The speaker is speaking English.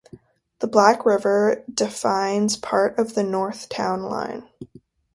The Black River defines part of the north town line.